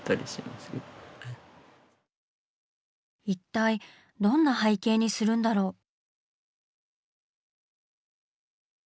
一体どんな背景にするんだろう？